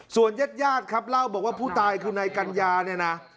ส่วนเย็ดยาดครับเล่าบอกว่าผู้ตายคือนายกัญญาเนี่ยนะ